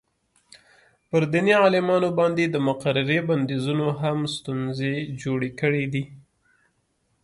پر دیني عالمانو باندې د مقررې بندیزونو هم ستونزې جوړې کړې.